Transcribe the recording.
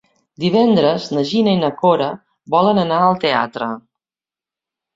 Divendres na Gina i na Cora volen anar al teatre.